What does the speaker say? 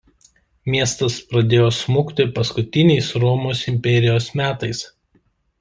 Miestas pradėjo smukti paskutiniais Romos imperijos metais.